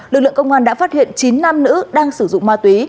lực lượng công an đã phát hiện chín nam nữ đang sử dụng ma túy